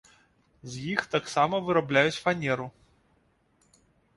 З іх таксама вырабляюць фанеру.